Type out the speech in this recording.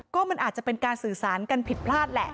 ก็มันอาจจะเป็นการสื่อสารกันผิดพลาดแหละ